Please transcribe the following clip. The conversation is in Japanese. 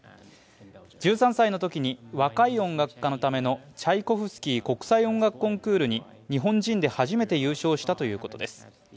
１３歳のときに、若い音楽家のためのチャイコフスキー国際音楽コンクールに日本人で初めて優勝したということです。